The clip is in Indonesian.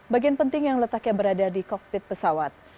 bagian penting yang letaknya berada di kokpit pesawat